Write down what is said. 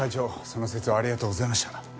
その節はありがとうございました。